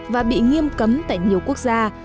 và bị nghiêm cấm tại nhiều quốc gia